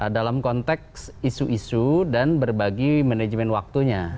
dalam konteks isu isu dan berbagi manajemen waktunya